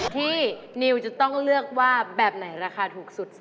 ที่นิวจะต้องเลือกว่าแบบไหนราคาถูกสุด